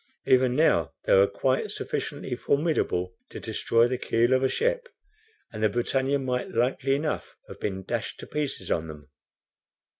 Even now they were quite sufficiently formidable to destroy the keel of a ship, and the BRITANNIA might likely enough have been dashed to pieces on them.